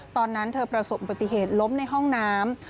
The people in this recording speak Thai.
ตอนนั้นเธอประสบอุบัติเหตุล้มในห้องน้ำ